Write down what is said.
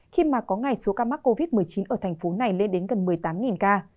khi mà có ngày số ca mắc covid một mươi chín ở tp hcm lên đến gần một mươi tám ca